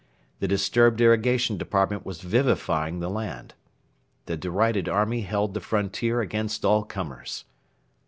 The disturbed Irrigation Department was vivifying the land. The derided army held the frontier against all comers.